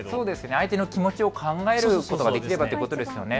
相手の気持ちを考えることができればということですよね。